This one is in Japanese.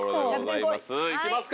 行きますか！